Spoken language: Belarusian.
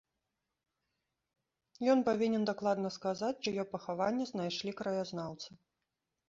Ён павінен дакладна сказаць, чыё пахаванне знайшлі краязнаўцы.